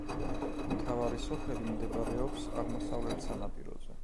მთავარი სოფელი მდებარეობს აღმოსავლეთ სანაპიროზე.